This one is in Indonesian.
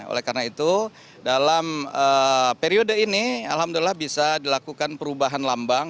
oleh karena itu dalam periode ini alhamdulillah bisa dilakukan perubahan lambang